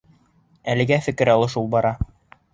Әлегә фекер алышыу бара.